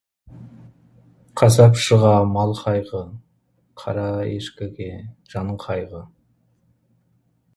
Қасапшыға мал қайғы, қара ешкіге жан қайғы.